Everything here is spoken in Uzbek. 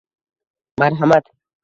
Marhamat.